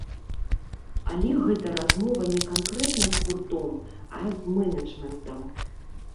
Але гэта размова не канкрэтна з гуртом, а з мэнэджмэнтам.